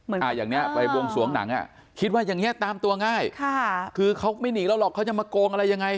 อย่างนี้ไปบวงสวงหนังอ่ะคิดว่าอย่างเงี้ตามตัวง่ายค่ะคือเขาไม่หนีแล้วหรอกเขาจะมาโกงอะไรยังไง